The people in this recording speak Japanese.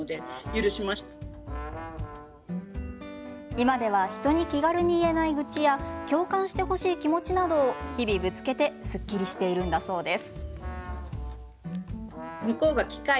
今では人に気軽に言えないグチや共感してほしい気持ちなどを日々ぶつけてすっきりしているんだそうです。